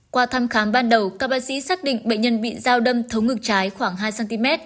qua thăm khám ban đầu các bác sĩ xác định bệnh nhân bị dao đâm thấu ngực trái khoảng hai cm